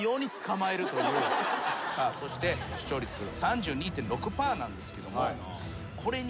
さあそして視聴率３２．６％なんですけども。